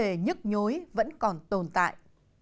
những vấn đề nhức nhối vẫn còn tồn tại